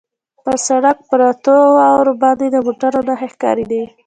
پر سړک پرتو واورو باندې د موټرو نښې ښکارېدې.